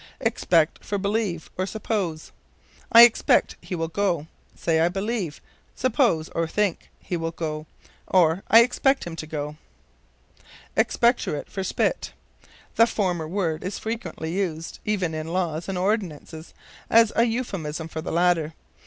Expect for Believe, or Suppose. "I expect he will go." Say, I believe (suppose or think) he will go; or, I expect him to go. Expectorate for Spit. The former word is frequently used, even in laws and ordinances, as a euphemism for the latter.